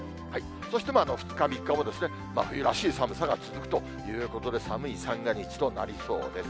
そして２日、３日も、真冬らしい寒さが続くということで、寒い三が日となりそうです。